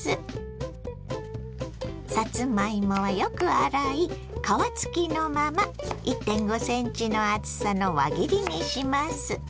さつまいもはよく洗い皮付きのまま１．５ｃｍの厚さの輪切りにします。